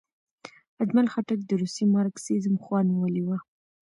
اجمل خټک د روسي مارکسیزم خوا نیولې وه.